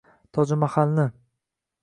Tojmahalni